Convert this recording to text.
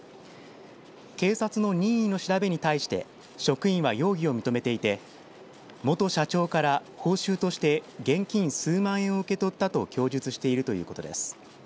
警察の任意の調べに対して職員は、容疑を認めていて元社長から報酬として現金数万円を受け取ったと供述しているということです。